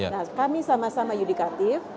nah kami sama sama yudikatif